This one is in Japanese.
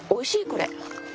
これ。